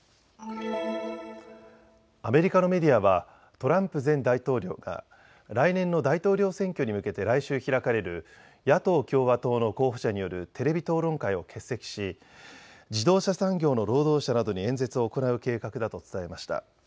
アメリカのメディアはトランプ前大統領が来年の大統領選挙に向けて来週開かれる野党・共和党の候補者によるテレビ討論会を欠席し自動車産業の労働者などに演説を行う計画だと伝えました。